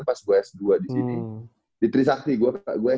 pas gue s dua disini di trisakti gue